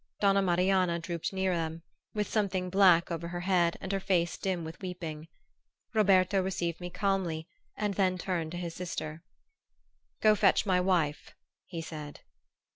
Donna Marianna drooped near them, with something black over her head and her face dim with weeping. Roberto received me calmly and then turned to his sister. "Go fetch my wife," he said.